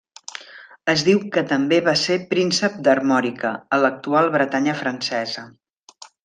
Es diu que també va ser príncep d'Armòrica, a l'actual Bretanya francesa.